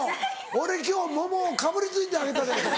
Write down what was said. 「俺今日桃かぶりついてあげたで」とか？